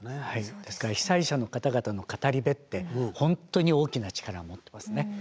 ですから被災者の方々の語り部って本当に大きな力を持ってますね。